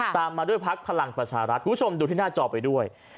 ตามมาด้วยพักพลังประชารัฐคุณผู้ชมดูที่หน้าจอไปด้วย